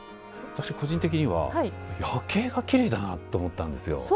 私個人的には夜景がきれいだなと思ったんですよ。